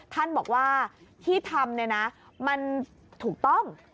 ท่านบอกว่าที่ทำมันถูกต้อง